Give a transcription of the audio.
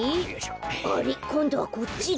あれっこんどはこっちだ。